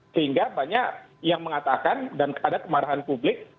sehingga banyak yang mengatakan dan ada kemarahan publik